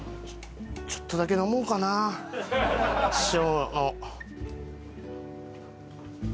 ちょっとだけ飲もうかな師匠の。